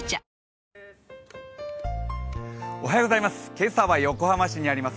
今朝は横浜市にあります